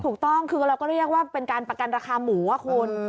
ถูกต้องคือเราก็เรียกว่าเป็นการประกันราคาหมูอ่ะคุณ